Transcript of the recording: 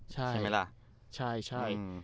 ใช่มากครับ